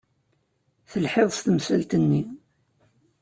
Telhiḍ-d s temsalt-nni.